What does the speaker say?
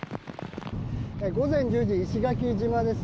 午前１０時、石垣島です。